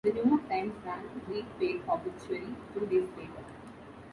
The New York Times ran a brief paid obituary two days later.